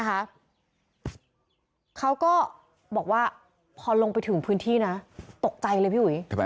เขาก็บอกว่าพอลงไปถึงพื้นที่นะตกใจเลยพี่อุ๋ย